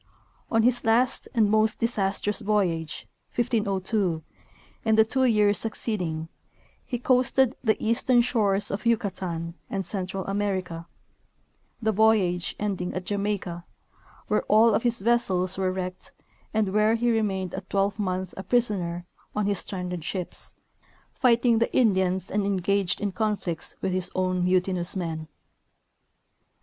On his last and most disastrous ■voyage, 1502, and the two 3^ears succeeding, he coasted the east ern shores of Yucatan and Central America, the voyage ending 196 F. A. Oher — In tJi.e Wake of Columbus. at Jamaica, where all of his vessels were wrecked and where he remained a twelvemonth a prisoner on his stranded ships, fighting the Indians and engaged in conflicts with his own mutinous men.